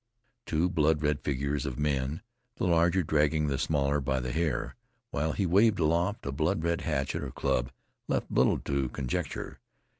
Two blood red figures of men, the larger dragging the smaller by the hair, while he waved aloft a blood red hatchet or club, left little to conjecture.